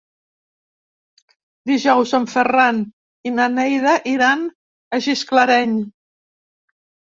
Dijous en Ferran i na Neida iran a Gisclareny.